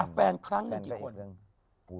อ่ะแฟนครั้งนี้กี่คน